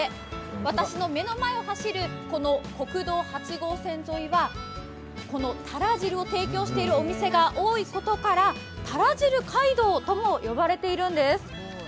私の目の前を走る国道８号線沿いはたら汁を提供しているお店が多いことからたら汁街道とも呼ばれているんです。